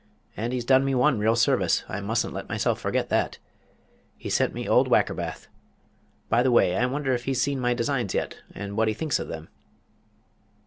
And he's done me one real service I mustn't let myself forget that. He sent me old Wackerbath. By the way, I wonder if he's seen my designs yet, and what he thinks of them."